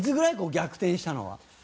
逆転したのは。